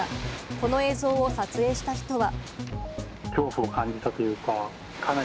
この映像を撮影した人は。